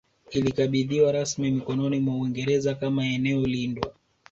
Ilikabidhiwa rasmi mikononi mwa Uingereza kama eneo lindwa